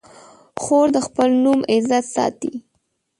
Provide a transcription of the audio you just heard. خور د خپل نوم عزت ساتي.